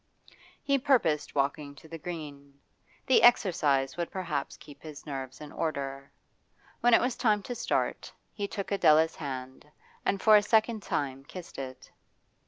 He purposed walking to the Green; the exercise would perhaps keep his nerves in order. When it was time to start, he took Adela's hand, and for a second time kissed it.